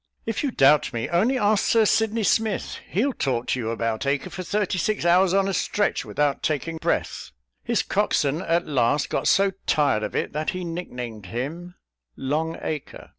"If you doubt me, only ask Sir Sydney Smith; he'll talk to you about Acre for thirty six hours on a stretch, without taking breath; his cockswain at last got so tired of it, that he nick named him 'Long Acre.'"